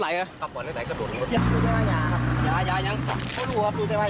กลับออกไป